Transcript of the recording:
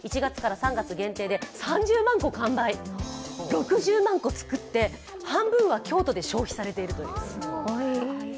６０万個作って、半分は京都で消費されているという。